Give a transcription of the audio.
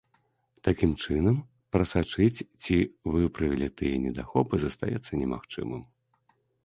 Такім чынам, прасачыць, ці выправілі тыя недахопы, застаецца немагчымым.